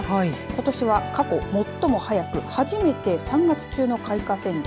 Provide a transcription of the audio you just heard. ことしは過去最も早く初めて３月中の開花宣言